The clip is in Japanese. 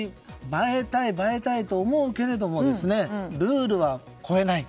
映えたい、映えたいと思うけれども、ルールは超えない。